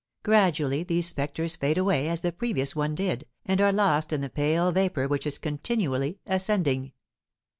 Gradually these spectres fade away as the previous one did, and are lost in the pale vapour which is continually ascending.